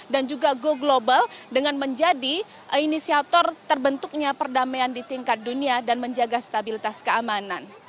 dan juga go global dengan menjadi inisiator terbentuknya perdamaian di tingkat dunia dan menjaga stabilitas keamanan